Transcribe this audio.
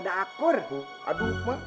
mau kewalat lo